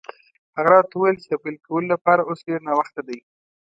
هغه راته وویل چې د پیل کولو لپاره اوس ډېر ناوخته دی.